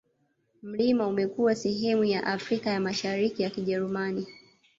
Mlima umekuwa sehemu ya Afrika ya Mashariki ya Kijerumani